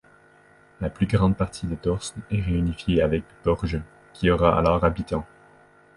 La plus grande partie de Torsnes est réunifiée avec Borge, qui aura alors habitants.